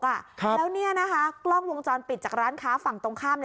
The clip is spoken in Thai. แล้วเนี่ยนะคะกล้องวงจรปิดจากร้านค้าฝั่งตรงข้าม